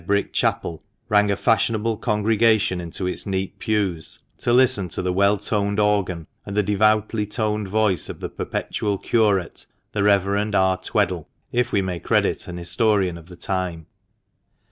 brick chapel rang a fashionable congregation into its neat pews, to listen to the well toned organ and the devoutly toned voice of the perpetual curate, the Reverend R. Tweddle, if we may credit an historian of the time.